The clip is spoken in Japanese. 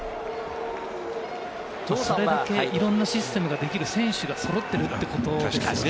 それだけいろんなシステムができる選手が揃っているということですよね。